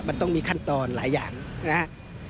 มันต้องมีขั้นตอนหลายอย่างนะครับ